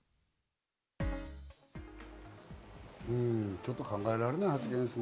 ちょっと考えられない発言ですね。